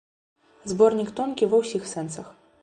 Зборнік тонкі ва ўсіх сэнсах.